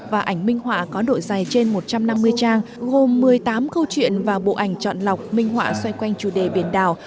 và ảnh minh họa có độ dài trên một trăm năm mươi trang gồm một mươi tám câu chuyện và bộ ảnh chọn lọc minh họa xoay quanh chủ đề biển đảo